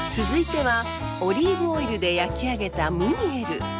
続いてはオリーブオイルで焼き上げたムニエル！